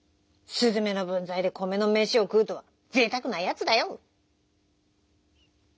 すずめのぶんざいでこめのめしをくうとはぜいたくなやつだよ」。